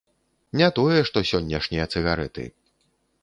Не тое што сённяшнія цыгарэты.